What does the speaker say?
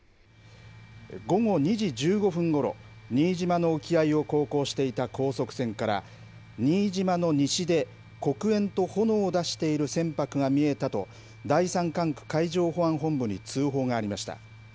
午後２時１５分ごろ、新島の沖合を航行していた高速船から、新島の西で黒鉛と炎を出している船舶が見えたと、第３管区海上保安本部に通報がありました。